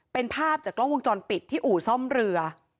เป็นภาพจากกล้องวงจรปิดที่อู่ซ่อมเรือ